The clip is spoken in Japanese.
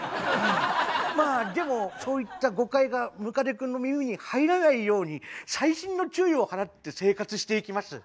まあでもそういった誤解がムカデ君の耳に入らないように細心の注意を払って生活していきます。